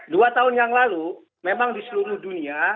dua tahun yang lalu memang di seluruh dunia